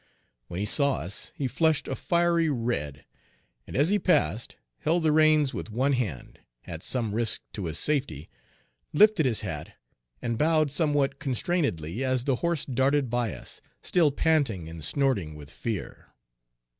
When he saw us, he flushed a fiery red, and, as he passed, held the reins with one hand, at some risk to his safety, lifted his hat, and bowed somewhat constrainedly as the horse darted by us, still panting and snorting with fear.